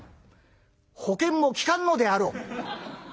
保険も利かぬのであろう」。